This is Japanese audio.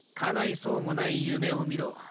そうもない夢を見ろ。